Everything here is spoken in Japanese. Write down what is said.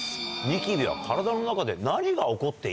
ニキビは体の中で何が起こっているのか？